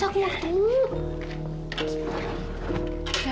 aku mau tunggu